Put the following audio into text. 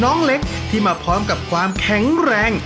น้องเล็กที่มาพร้อมกับความแข็งแรง